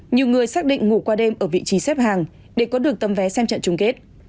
nhiều người xác định ngủ qua đêm ở vị trí xếp hàng để có được tấm vé xem trận chung kết